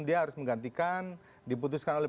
dia harus menggantikan diputuskan oleh